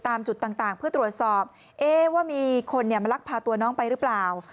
ตามจุดต่างเพื่อตรวจสอบว่ามีคนมาลักพาตัวน้องไปหรือเปล่า